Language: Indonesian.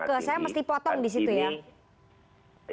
oke saya mesti potong di situ ya